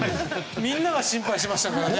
みんなが心配していましたからね。